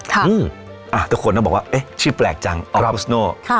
ทุกคนต้องบอกว่าเอ๊ะชื่อแปลกจังออฟฟุสโน่